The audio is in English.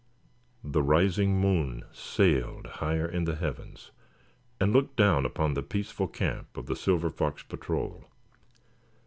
The rising moon sailed higher in the heavens, and looked down upon the peaceful camp of the Silver Fox Patrol.